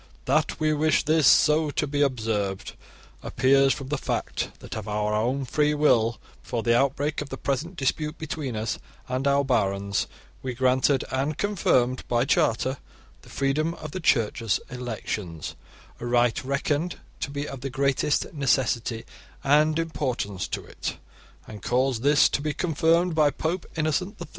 That we wish this so to be observed, appears from the fact that of our own free will, before the outbreak of the present dispute between us and our barons, we granted and confirmed by charter the freedom of the Church's elections a right reckoned to be of the greatest necessity and importance to it and caused this to be confirmed by Pope Innocent III.